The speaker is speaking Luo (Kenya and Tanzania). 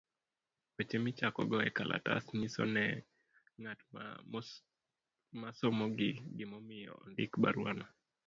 Weche michakogo ekalatas , nyiso ne ng'at ma somogi gimomiyo ondiko barua no.